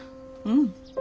うん。